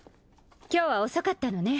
今日は遅かったのね